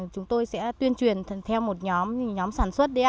chúng tôi sẽ tuyên truyền theo một nhóm sản xuất đấy ạ